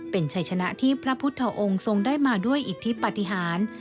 เป็นชัยชนะที่พระพุทธองค์ทรงได้มาด้วยอิทธิปฏิหาร